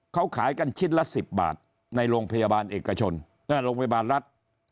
เขาขายกันชิ้นละ๑๐บาทในโรงพยาบาลเอกชนโรงพยาบาลรัฐ